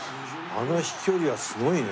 あの飛距離はすごいね。